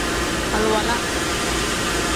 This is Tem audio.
Aluwala.